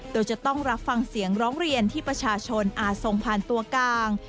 โดยจะต้องรับฟังเสียงร้องเรียนที่ประชาชนอาจส่งผ่านตัวกลาง